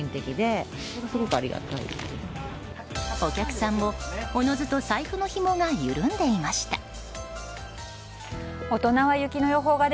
お客さんも、おのずと財布のひもが緩んでいました。